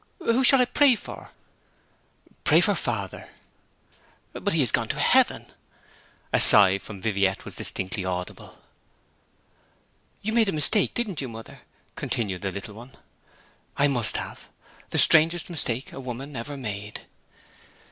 'Who shall I pray for?' 'Pray for father.' 'But he is gone to heaven?' A sigh from Viviette was distinctly audible. 'You made a mistake, didn't you, mother?' continued the little one. 'I must have. The strangest mistake a woman ever made!'